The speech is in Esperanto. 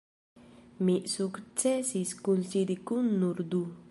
Mi sukcesis kunsidi kun nur du.